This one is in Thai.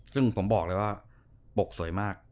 ซึ่งผมบอกเลยว่าปกสวยมาก